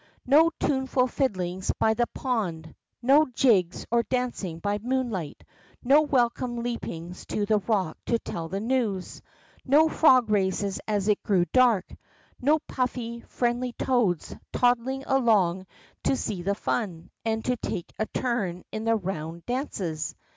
'No tuneful fiddlings by the pond, no jigs or dancing by moonlight, no welcome leapings to the rock to tell the news. Ro frog races as it grew dark, no puffy, friendly toads toddling along to see the fun, and take a turn in the round dances.